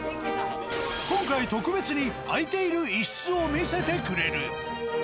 今回特別に空いている１室を見せてくれる。